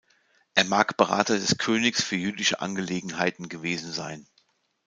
Er mag Berater des Königs für jüdische Angelegenheiten gewesen sein.